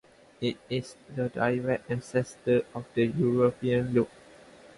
It is the direct ancestor of the European lute.